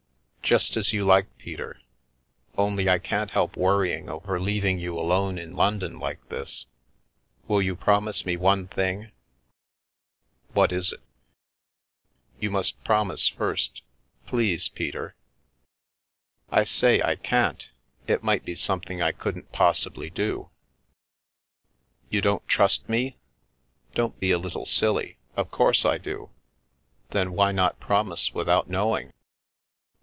"Just as you like, Peter. Only I can't help worry ing over leaving you alone in London like this. Will you promise me one thing?" "What is it?" " You must promise first. Please, Peter !"" I say, I can't. It might be something I couldn't possibly do." "You don't trust me?" Don't be a little silly. Of course I do !" Then why not promise without knowing?"